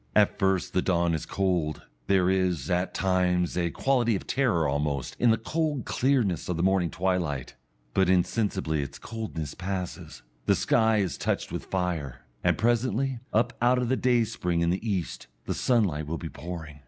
At first the dawn is cold there is, at times, a quality of terror almost in the cold clearness of the morning twilight; but insensibly its coldness passes, the sky is touched with fire, and presently, up out of the dayspring in the east, the sunlight will be pouring....